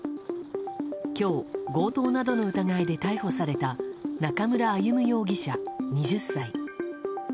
今日強盗などの疑いで逮捕された中村歩武容疑者、２０歳。